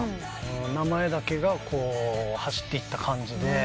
名前だけが走っていった感じで。